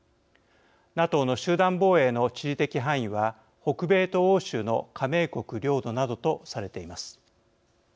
ＮＡＴＯの集団防衛の地理的範囲は北米と欧州の加盟国領土などとされています。